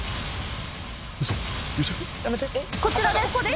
こちらです。